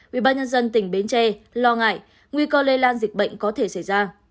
vì bác nhân dân tỉnh bến tre lo ngại nguy cơ lây lan dịch bệnh có thể xảy ra